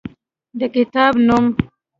د کتاب نوم: